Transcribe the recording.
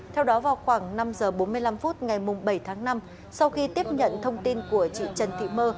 theo đó vào khoảng năm h bốn mươi năm phút ngày bảy tháng năm sau khi tiếp nhận thông tin của chị trần thị mơ